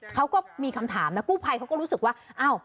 เขาก็มีคำถามนะกู้ภัยเขาก็รู้สึกว่าอ้าว